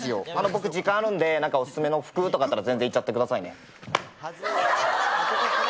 僕、時間あるんでオススメの服とかあったら言っちゃってくださいね。